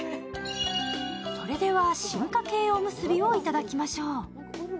それでは進化系おむすびをいただきましょう。